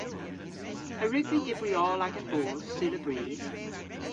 A wrug vy dybri oll agan boos seulabrys?